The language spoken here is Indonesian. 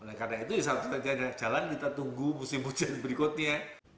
oleh karena itu jalan kita tunggu musim hujan berikutnya